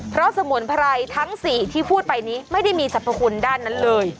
เพราะสมุนไพรทั้ง๔ที่พูดไปนี้ไม่ได้มีสรรพคุณด้านนั้นเลย